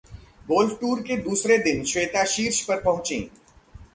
golf tour के दूसरे दिन श्वेता शीर्ष पर पहुंचीं